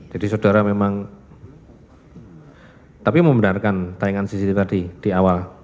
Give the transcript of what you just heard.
jadi saudara memang tapi membenarkan tayangan cctv tadi di awal